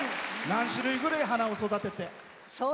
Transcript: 何種類ぐらい花を育てて？